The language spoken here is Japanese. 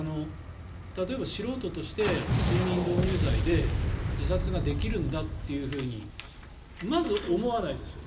例えば素人として、睡眠導入剤で自殺ができるんだというふうにまず思わないですよ。